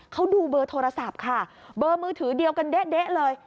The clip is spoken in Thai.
เขาดูเบอร์โทรศัพท์ค่ะเบอร์มือถือเดียวกันเด๊ะเลย